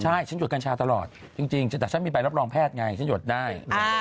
ใช่ฉันหดกัญชาตลอดจริงแต่ฉันมีใบรับรองแพทย์ไงฉันหยดได้